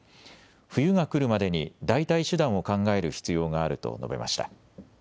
冬が来るまでに代替手段を考える必要があると述べました。